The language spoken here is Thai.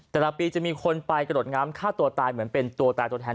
แต่ละปีจะมีคนไปกระโดดน้ำฆ่าตัวตายเหมือนเป็นตัวตายตัวแทน